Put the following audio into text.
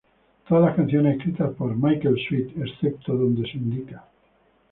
Todas las canciones escritas por Michael Sweet excepto donde se indica.